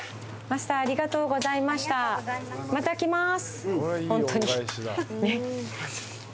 また来ます。